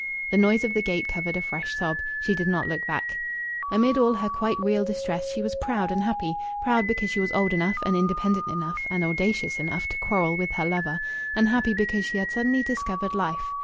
The noise of the gate covered a fresh sob. She did not look back. Amid all her quite real distress she was proud and happy proud because she was old enough and independent enough and audacious enough to quarrel with her lover, and happy because she had suddenly discovered life.